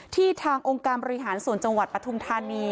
ทางองค์การบริหารส่วนจังหวัดปทุมธานี